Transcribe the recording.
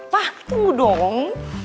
pak tunggu dong